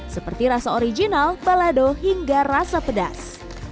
seperti rasa original balado hingga rasa pedas